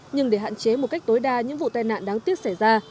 nhưng để hạn chế một cách tối đa những vụ tai nạn đáng tiếc xảy ra